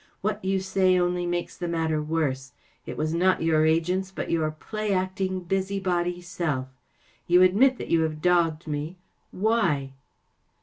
44 What you say only makes the matter worse. It was not your agents, but your play acting, busy¬ body self ! You admit that vou have dogged me. Why